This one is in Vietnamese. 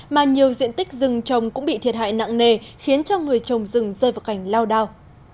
mà nhiều diện tích rừng trồng cũng bị thiệt hại nặng nề khiến cho người trồng rừng rơi vào cảnh lao đao